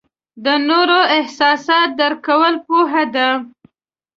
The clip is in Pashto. د نورو احساسات درک کول پوهه ده.